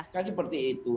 kan seperti itu